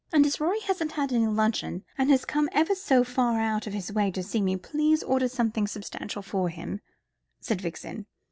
"And as Rory hasn't had any luncheon, and has come ever so far out of his way to see me, please order something substantial for him," said Vixen.